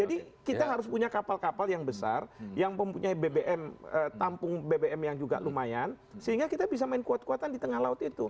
jadi kita harus punya kapal kapal yang besar yang mempunyai bbm tampung bbm yang juga lumayan sehingga kita bisa main kuat kuatan di tengah laut itu